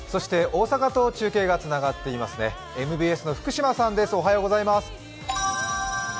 大阪と中継がつながっています、ＭＢＳの福島さんです。